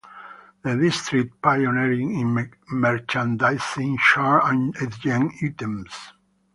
The district pioneered in merchandising yarn and dyeing items.